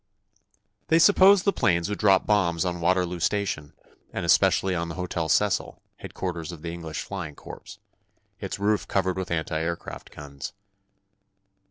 They supposed the planes would drop bombs on Waterloo Station, and especially on the Hotel Cecil, headquarters of the English Flying Corps, its roof covered with anti aircraft guns.